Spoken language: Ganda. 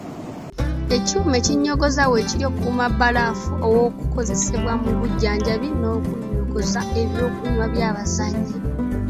Ekyuma ekinnyogoza weekiri okukuuma bbalaafu ow'okozesebwa mu bujjanjabi n'okunnyogoza ebyokunywa by'abazannyi